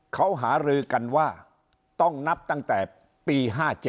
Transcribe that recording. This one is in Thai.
เขาหารือกันว่าต้องนับตั้งแต่ปี๕๗